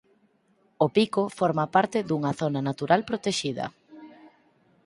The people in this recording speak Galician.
O Pico forma parte dunha zona natural protexida.